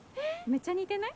めっちゃ似てない？